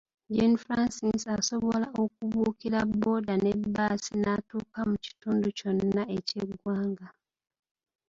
Jane Frances asobola okubuukira booda ne bbaasi n'atuuka mu kitundu kyonna eky’eggwanga.